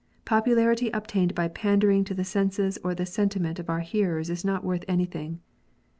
Popularity obtained by pandering to the senses or the sentiment of our hearers is not worth anything.